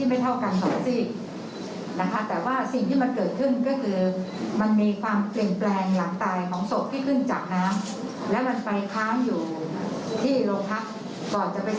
มันก็เลยเกิดความเข้าใจผิด